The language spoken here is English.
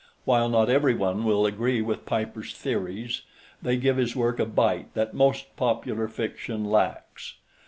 While not everyone will agree with Piper's theories they give his work a bite that most popular fiction lacks.